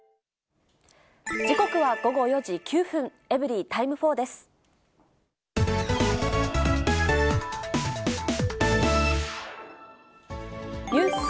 時刻は午後４時９分、エブリィタイム４です。